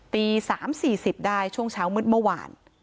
ตี๓๔๐ได้ช่วงเช้ามืดเมื่อวาน